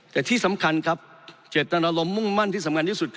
แต่ที่สำคัญครับเจตนารมณ์มุ่งมั่นที่สำคัญที่สุดคือ